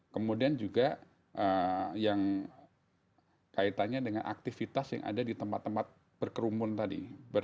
kemudian juga yang kaitannya dengan aktivitas yang ada di tempat tempat berkerumun tadi